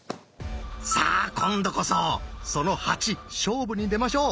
さあ今度こそその「８」勝負に出ましょう！